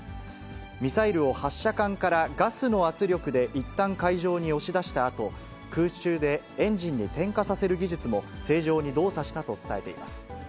ミサイルを発射管からガスの圧力でいったん海上に押し出したあと、空中でエンジンに点火させる技術も、正常に動作したと伝えています。